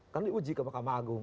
kan diuji ke mahkamah agung